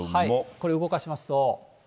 これ、動かしますと。